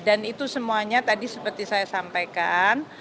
dan itu semuanya tadi seperti saya sampaikan